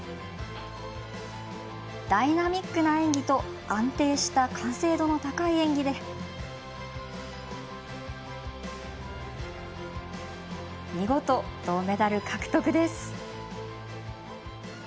ダイナミックな演技と安定した完成度の高い演技で見事、銅メダル獲得です。